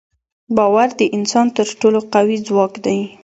باور د انسان تر ټولو قوي ځواک دی.